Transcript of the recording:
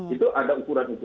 itu ada ukuran ukurannya